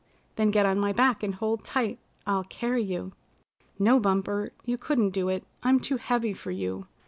"Then get on my back, and hold tight. I'll carry you." "No, Bumper, you couldn't do it. I'm too heavy for you.